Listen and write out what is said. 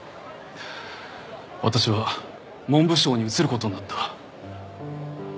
私は文部省に移る事になった。